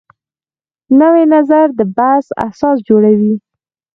نوی نظر د بحث اساس جوړوي